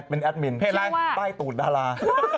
เป็นแอดมินเพจใต้ตูดดารา